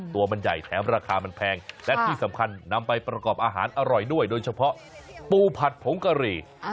ตัวมันใหญ่แถมราคามันแพงและที่สำคัญนำไปประกอบอาหารอร่อยด้วยโดยเฉพาะปูผัดผงกะหรี่